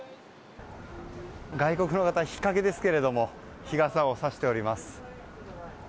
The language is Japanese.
外国の方、日陰ですけれども日傘をさしております。